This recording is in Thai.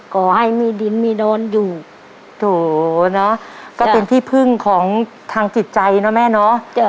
ขอให้มีดินมีโดนอยู่โถเนอะก็เป็นที่พึ่งของทางจิตใจเนอะแม่เนาะ